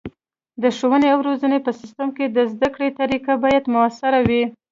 د ښوونې او روزنې په سیستم کې د زده کړې طریقه باید مؤثره وي.